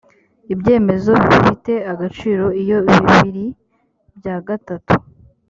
ibyemezo bifite agaciro iyo bibiri bya gatatu